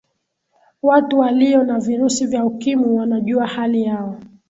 watu waliyo na virusi vya ukimwi wanajua hali yao